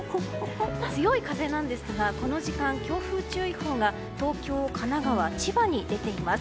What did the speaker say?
強い風なんですがこの時間、強風注意報が東京、神奈川、千葉に出ています。